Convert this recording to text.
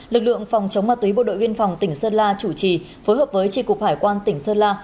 lực lượng phòng chống ma túy bộ đội biên phòng tỉnh sơn la chủ trì phối hợp với tri cục hải quan tỉnh sơn la